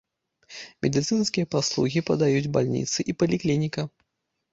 Медыцынскія паслугі падаюць бальніца і паліклініка.